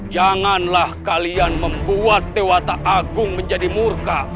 janganlah kalian membuat dewata agung menjadi murka